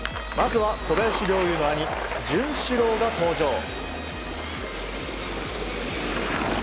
まずは小林陵侑の兄潤志郎が登場。